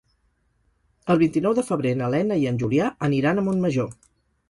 El vint-i-nou de febrer na Lena i en Julià aniran a Montmajor.